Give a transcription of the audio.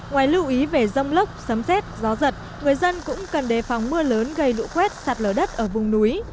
ngoài lưu ý về rông lốc sấm xét gió giật người dân cũng cần đề phòng mưa lớn gây lũ quét sạt lở đất ở vùng núi